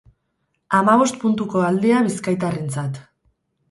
Hamabost puntuko aldea bizkaitarrentzat.